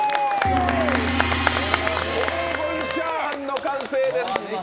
黄金チャーハンの完成です。